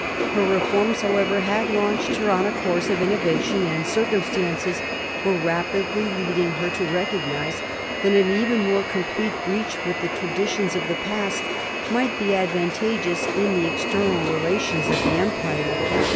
Her reforms, however, had launched her on a course of innovation; and circum stances were rapidly leading her to recognise that an even more complete breach with the traditions of the past might be advantageous in the external relations of the empire.